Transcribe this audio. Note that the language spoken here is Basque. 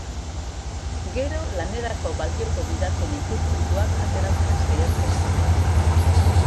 Gero lanerako balioko didaten ikuspuntuak ateratzen saiatzen naiz.